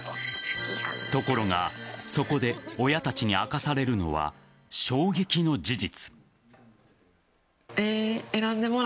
ところがそこで親たちに明かされるのは衝撃の事実。